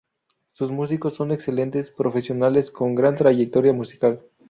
Sus músicos son excelentes profesionales con gran trayectoria musical.